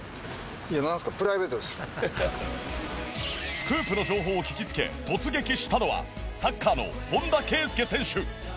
スクープの情報を聞きつけ突撃したのはサッカーの本田圭佑選手のモノマネ